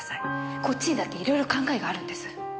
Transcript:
こっちにだっていろいろ考えがあるんです。